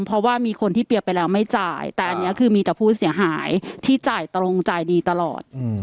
เพราะว่ามีคนที่เปรียบไปแล้วไม่จ่ายแต่อันนี้คือมีแต่ผู้เสียหายที่จ่ายตรงจ่ายดีตลอด